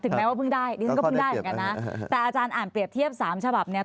ถึงแม้ว่าเพิ่งได้อาจารย์อ่านเปรียบเทียบ๓ฉบับเนี่ย